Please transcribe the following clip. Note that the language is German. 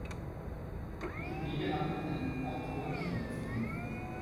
Wikipedia hat mit einem Autorenschwund zu kämpfen.